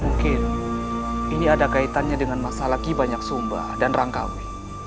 mungkin ini ada kaitannya dengan masalah kibanyak sumba dan rangkawi